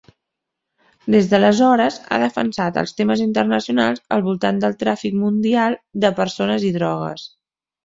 Des d'aleshores, ha defensat els temes internacionals al voltant del tràfic mundial de persones i drogues.